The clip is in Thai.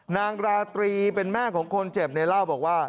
นางราตรีเป็นแม่ของคนเจ็บในเหล้าบอกว่า